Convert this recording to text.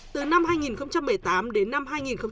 từ năm hai nghìn một mươi tám đến năm hai nghìn hai mươi